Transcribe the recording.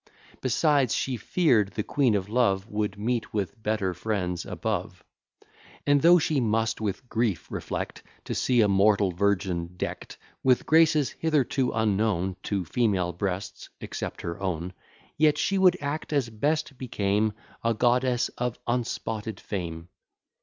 Besides, she fear'd the Queen of Love Would meet with better friends above. And though she must with grief reflect, To see a mortal virgin deck'd With graces hitherto unknown To female breasts, except her own: Yet she would act as best became A goddess of unspotted fame.